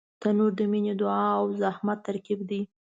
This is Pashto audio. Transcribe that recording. تنور د مینې، دعا او زحمت ترکیب دی